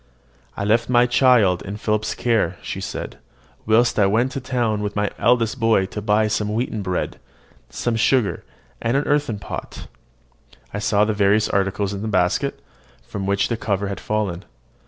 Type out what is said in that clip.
"I left my child in Philip's care," she said, "whilst I went into the town with my eldest boy to buy some wheaten bread, some sugar, and an earthen pot." I saw the various articles in the basket, from which the cover had fallen.